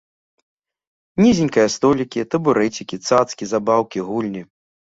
Нізенькія столікі, табурэцікі, цацкі, забаўкі, гульні.